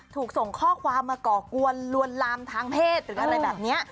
ถูกส่งข้อความมาก่อกวนลวนลามทางเพศหรืออะไรแบบนี้